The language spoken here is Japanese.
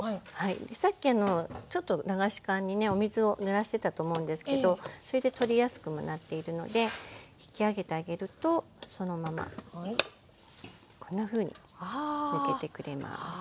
さっきちょっと流し函にねお水をぬらしてたと思うんですけどそれで取りやすくもなっているので引き上げてあげるとそのままこんなふうに抜けてくれます。